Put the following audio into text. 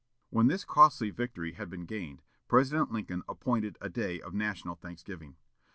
When this costly victory had been gained, President Lincoln appointed a day of national thanksgiving.